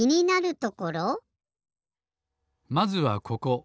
まずはここ。